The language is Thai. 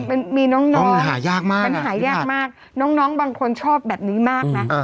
มันมีน้องน้องปัญหายากมากปัญหายากมากน้องน้องบางคนชอบแบบนี้มากน่ะ